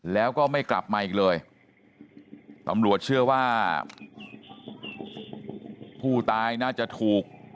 แล้วก็ไม่กลับมาอีกเลยตำรวจเชื่อว่าผู้ตายน่าจะถูก